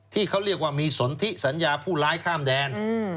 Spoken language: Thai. ที่เขาเรียกว่ามีสนทิสัญญาผู้ร้ายข้ามแดน